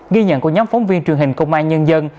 ghi nhận của nhóm phóng viên truyền hình công an nhân dân